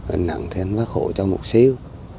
anh nặng thì anh vất hộ cho một xíu